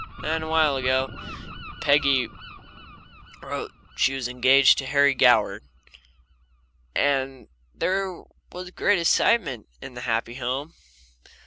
Well, then, awhile ago Peggy wrote she was engaged to Harry Goward, and there was great excitement in the happy home.